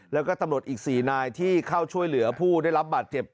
แล้วก็ตำรวจอีก๔นายที่เข้าช่วยเหลือผู้ได้รับบาดเจ็บ